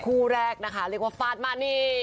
คู่แรกนะคะเรียกว่าฟาดมานี่